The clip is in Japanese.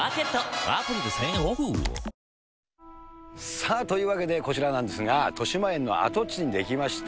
さあ、というわけでこちらなんですが、としまえんの跡地に出来ました、